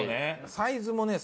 サイズもね